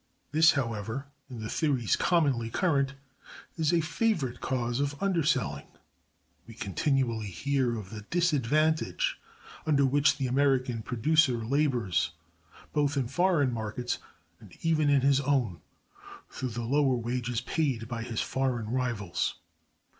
This, however, in the theories commonly current, is a favorite cause of underselling. We continually hear of the disadvantage under which the [American] producer labors, both in foreign markets and even in his own, through the lower wages paid by his foreign rivals.